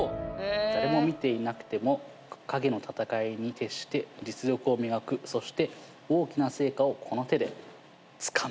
「誰も見ていなくてもかげの戦いにてっして実力をみがくそして大きな成果をこの手でつかむ」